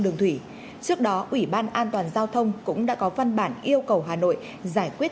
đường thủy trước đó ủy ban an toàn giao thông cũng đã có văn bản yêu cầu hà nội giải quyết